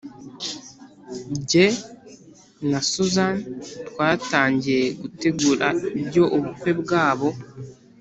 Jye na Susan twatangiye gutegura ibyo ubukwe bwabo